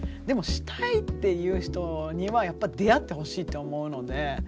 でもしたいっていう人にはやっぱ出会ってほしいと思うので。